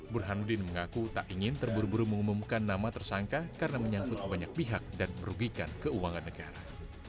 burhanuddin mengaku tak ingin terburu buru mengumumkan nama tersangka karena menyangkut banyak pihak dan merugikan keuangan negara